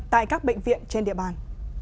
tại các bệnh viện trên địa bàn